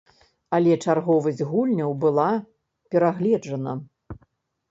Але чарговасць гульняў была перагледжана.